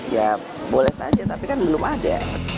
ya boleh saja tapi kan belum ada